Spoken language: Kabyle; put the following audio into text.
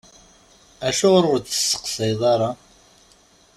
Acuɣer ur d-testeqsayeḍ ara?